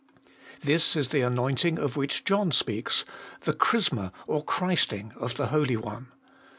This is the anointing of which John speaks, the chrisma or christing of the Holy One.